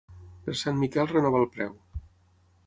Per Sant Miquel renova el preu.